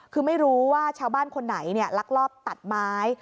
คือไม่รู้ว่าชาวบ้านคนไหนลักลอบตัดไม้